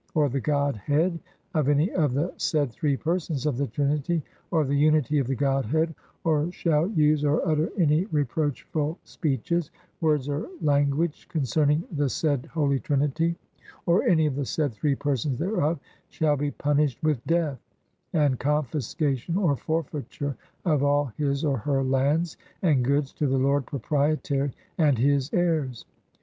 or the Grodhead of any of the said three persons of the Trinity, or the unity of the God head, or shall use or utter any reproachful speeches, words or language concerning the said Holy Trinity, or any of the said three persons thereof, shall be pun ished with death and confiscation or forfeiture of all his or her lands and goods to the Lord Proprietary and his heires.